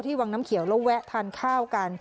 วังน้ำเขียวแล้วแวะทานข้าวกัน